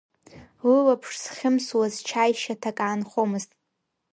Лылаԥш зхьымсуаз чаи шьаҭак аанхомызт.